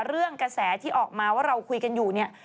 กระแสที่ออกมาว่าเราคุยกันอยู่เนี่ย